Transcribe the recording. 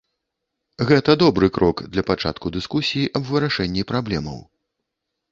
Гэта добры крок для пачатку дыскусіі аб вырашэнні праблемаў.